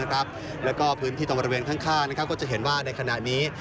แล้วก็พื้นที่ตรงบริเวณข้างก็จะเห็นว่าในขณะนี้